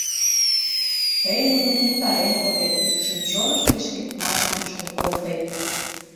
Тый нуным утарен кодет, шӱм-чонышт гыч лӱдмашым ӱштыл колтет.